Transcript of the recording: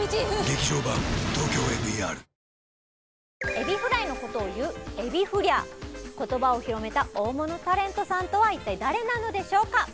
エビフライのことをいうエビフリャー言葉を広めた大物タレントさんとは一体誰なのでしょうか